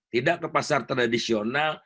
tidak ke pasar tradisional